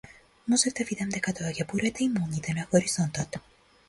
Можев да видам дека доаѓа бурата и молњите на хоризонтот.